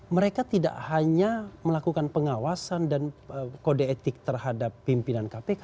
mereka tidak hanya melakukan pengawasan dan kode etik terhadap pimpinan kpk